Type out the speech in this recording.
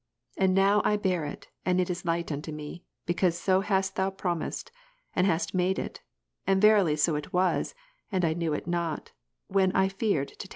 And now I Mat. 11, bear it and it is light unto me, because so hast Thou pro ^^' mised, and hast made it ; and verily so it was, and I knew it not, when I feared to take it.